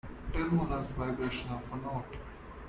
Tremulous vibration of a note.